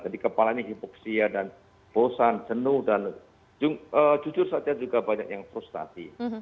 jadi kepala ini hipoksia dan bosan jenuh dan jujur saja juga banyak yang frustasi